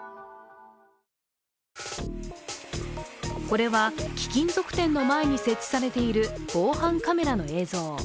これは貴金属店の前に設置されている防犯カメラの映像。